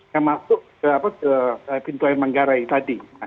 yang masuk ke pintu air manggarai tadi